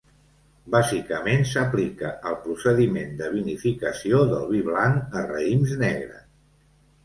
Bàsicament s'aplica el procediment de vinificació del vi blanc a raïms negres.